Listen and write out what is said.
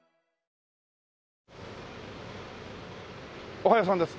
おはようさんです。